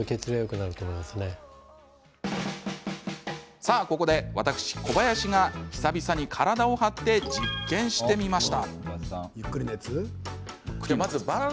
さあ、ここで私、小林が久々に体を張って実験してみました。